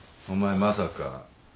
お前まさか？